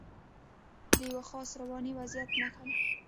د یوه خاص رواني وضعیت نښه ده.